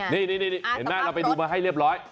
นี่เห็นไหมเราไปดูมาให้เรียบร้อย